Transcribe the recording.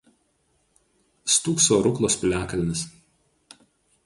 Stūkso Ruklos piliakalnis.